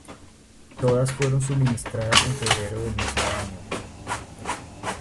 Todas fueron suministradas en febrero del mismo año.